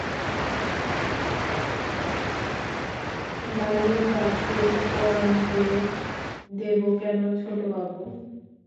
লালীর বাছুর পরাণকে দেব কেন ছোটবাবু?